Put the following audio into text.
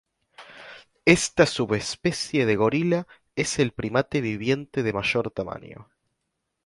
Esta subespecie de gorila es el primate viviente de mayor tamaño.